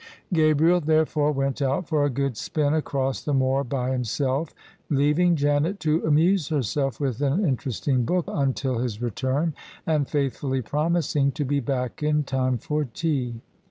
Gabriel therefore went out for a good spin across the moor by himself, leaving Janet to amuse herself with an interesting book until his return, and faithfully promising to be back in time for tea.